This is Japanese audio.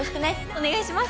お願いします。